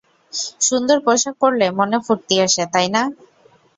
সুন্দর পোশাক পরলে মনে ফুর্তি আসে, তাই না?